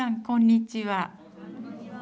こんにちは。